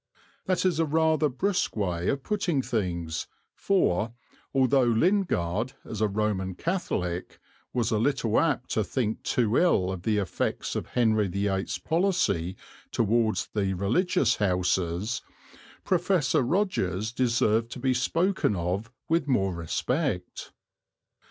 That is rather a brusque way of putting things, for, although Lingard, as a Roman Catholic, was a little apt to think too ill of the effects of Henry VIII's policy towards the religious houses, Professor Rogers deserved to be spoken of with more respect.